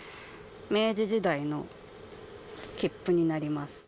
明治時代の切符になります。